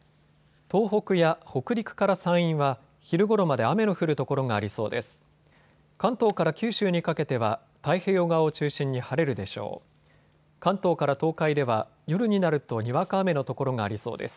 東北や北陸から山陰は昼ごろまで雨の降る所がありそうです。